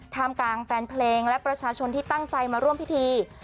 กลางแฟนเพลงและประชาชนที่ตั้งใจมาร่วมพิธี